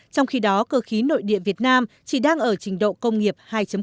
trong khi đó cơ khí nội địa việt nam chỉ đang ở trình độ công nghiệp hai